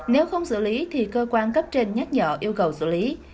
nếu không xử lý thì cơ quan cấp trên nhắc nhở yêu cầu xử lý